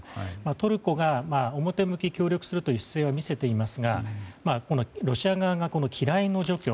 トルコが表向き、協力するという姿勢は見せていますがこのロシア側が機雷の除去